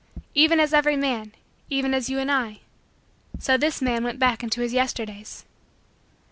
Even as every man, even as you and I, so this man went back into his Yesterdays.